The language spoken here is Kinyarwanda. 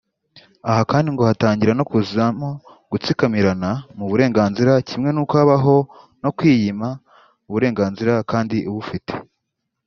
Aha kandi ngo hatangira no kuzamo gutsikamirana mu burenganzira kimwe nuko habaho no kwiyima uburenganzira kandi ubufite